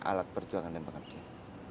alat perjuangan dan pengertian